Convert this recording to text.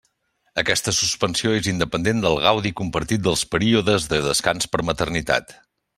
Aquesta suspensió és independent del gaudi compartit dels períodes de descans per maternitat.